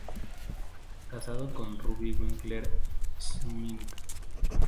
Casado con "Ruby Winkler Schmidt".